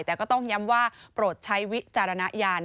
แต่ก็ต้องย้ำว่าโปรดใช้วิจารณญาณ